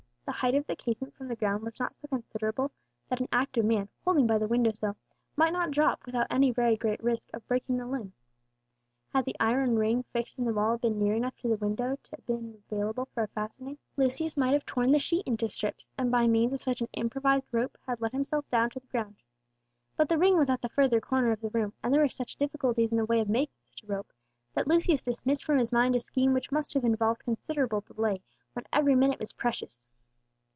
The height of the casement from the ground was not so considerable that an active man, holding by the window sill, might not drop down without any very great risk of breaking a limb. Had the iron ring fixed in the wall been near enough to the window to have been available for a fastening, Lucius might have torn the sheet into strips, and by means of such an improvised rope have let himself down to the ground. But the ring was at the further corner of the room, and there were such difficulties in the way of making such a rope that Lucius dismissed from his mind a scheme which must have involved considerable delay, when every minute was precious.